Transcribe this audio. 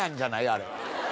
あれ。